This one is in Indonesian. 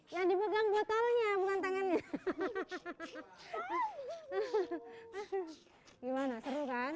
yang dipegang botolnya bukan tangannya hahaha gimana seru kan ini dia seneng dikasih minum tuh makasih pina